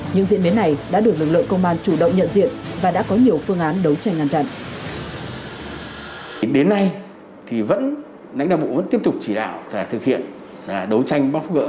những diễn biến này đã được lực lượng công an chủ động nhận diện và đã có nhiều phương án đấu tranh ngăn chặn